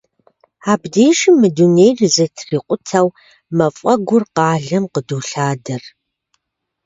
Абдежым мы дунейр зэтрикъутэу мафӏэгур къалэм къыдолъадэр.